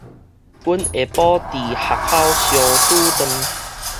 阮下晡佇學校相拄搪